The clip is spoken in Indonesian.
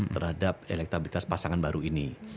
terhadap elektabilitas pasangan baru ini